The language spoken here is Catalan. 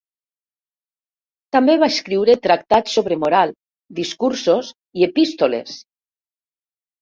També va escriure tractats sobre moral, discursos i epístoles.